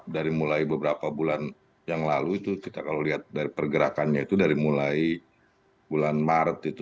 dari mulai beberapa bulan yang lalu itu kita kalau lihat dari pergerakannya itu dari mulai bulan maret itu